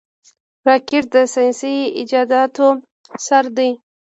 راکټ د ساینسي ایجاداتو سر دی